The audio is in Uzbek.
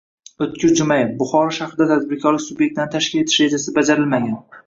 O‘tkir Jumayev: "Buxoro shahrida tadbirkorlik sub’ektlarini tashkil etish rejasi bajarilmagan"